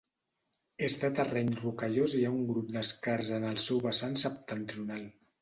És de terreny rocallós i hi ha un grup d'escars en el seu vessant septentrional.